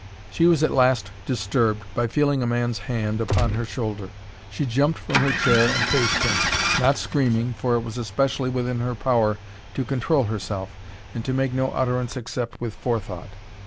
She was at last disturbed by feeling a man's hand upon her shoulder. She jumped from her chair and faced him,—not screaming, for it was especially within her power to control herself, and to make no utterance except with forethought.